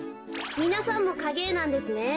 みなさんもかげえなんですね。